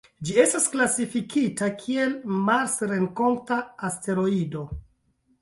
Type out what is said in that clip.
Ĝi estas klasifikita kiel marsrenkonta asteroido.